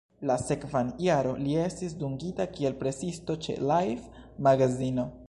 La sekvan jaron li estis dungita kiel presisto ĉe "Life"-magazino.